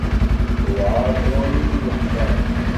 Tuɛeṛ tṛumit i weḥfaḍ.